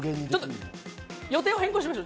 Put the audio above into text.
予定を変更しましょう。